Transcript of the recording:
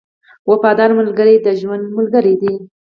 • وفادار ملګری د ژوند ملګری دی.